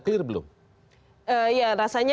clear belum ya rasanya